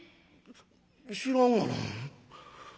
「知らんがな。